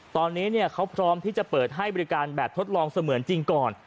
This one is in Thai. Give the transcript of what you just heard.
ตอนนี้เขาพร้อมที่จะเปิดให้บริการแบบทดลองเสมือนจริงก่อน